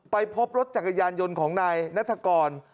ไปพบรถจักรยานยนต์ของนายนัฐกร